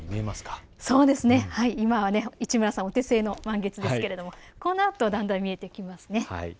今は市村さんお手製の満月ですけれどもこのあとだんだん見えてきます。